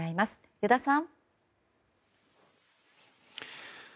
依田さん。